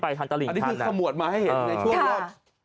อันนี้คือขมวดมาให้เห็นในช่วงรอบ